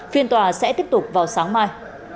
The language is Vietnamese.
phiên tòa sẽ tiếp tục vào sáng mai